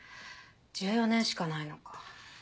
１４年しかないのか。